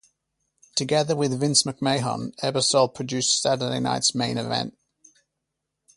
Together with Vince McMahon, Ebersol produced "Saturday Night's Main Event".